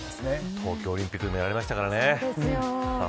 東京オリンピックでもやられましたからね。